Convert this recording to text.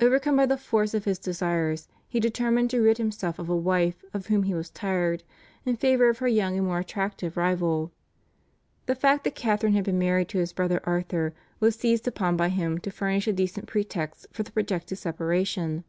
Overcome by the force of his desires, he determined to rid himself of a wife of whom he was tired, in favour of her young and more attractive rival. The fact that Catharine had been married to his brother Arthur was seized upon by him to furnish a decent pretext for the projected separation.